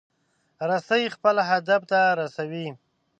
رسۍ خپل هدف ته رسوي.